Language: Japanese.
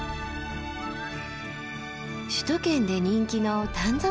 首都圏で人気の丹沢山。